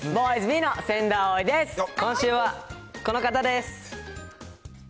今週はこの方です。